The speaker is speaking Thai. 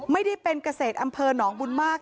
ไม่ได้เป็นเกษตรอำเภอหนองบุญมาก